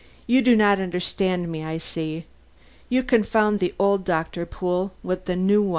"You do not understand me, I see. You confound the old Doctor Pool with the new."